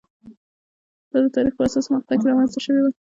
دا د تاریخ په حساسه مقطعه کې رامنځته شوې وي.